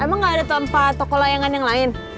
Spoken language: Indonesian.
emang gak ada tempat toko layangan yang lain